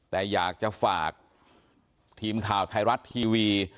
แต่อยากจะฝากทีมข่าวไทยรัฐทีวี